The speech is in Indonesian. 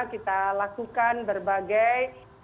kita lakukan berbagai